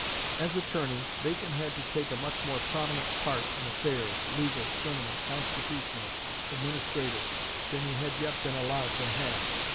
As Attorney, Bacon had to take a much more prominent part in affairs, legal, criminal, constitutional, administrative, than he had yet been allowed to have.